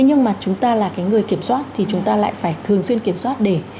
nhưng mà chúng ta là cái người kiểm soát thì chúng ta lại phải thường xuyên kiểm soát để